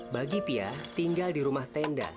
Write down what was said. bagi pia tinggal di rumah tenda